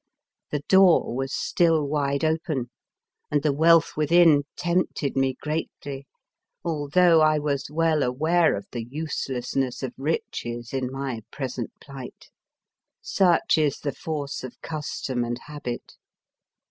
The door was still wide open and the wealth within tempted me greatly, although I was well aware of the uselessness of riches in my pres ent plight. Such is the force of custom and habit.